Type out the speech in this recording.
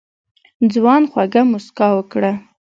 ځوان خوږه موسکا وکړه.